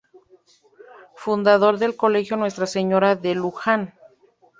Fundador del Colegio Nuestra Señora de Lujan.